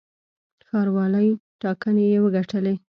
د ښاروالۍ ټاکنې یې وګټلې.